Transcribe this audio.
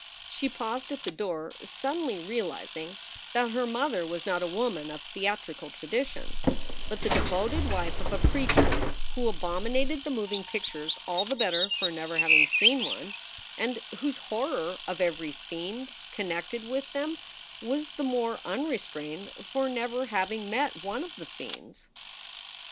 She paused at the door, suddenly realizing that her mother was not a woman of theatrical traditions, but the devoted wife of a preacher who abominated the moving pictures all the better for never having seen one, and whose horror of every fiend connected with them was the more unrestrained for never having met one of the fiends.